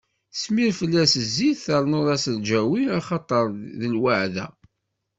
Smir fell-as zzit, ternuḍ-as lǧawi, axaṭer d lweɛda.